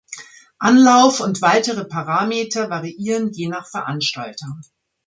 Anlauf und weitere Parameter variieren je nach Veranstalter.